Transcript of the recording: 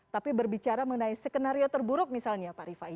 tapi berbicara mengenai skenario terburuk misalnya pak rifai